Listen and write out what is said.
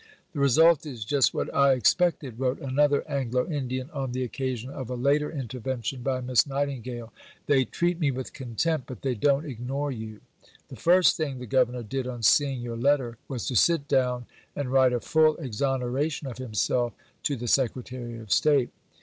"The result is just what I expected," wrote another Anglo Indian, on the occasion of a later intervention by Miss Nightingale. "They treat me with contempt, but they don't ignore you. The first thing the Governor did on seeing your letter was to sit down and write a full exoneration of himself to the Secretary of State.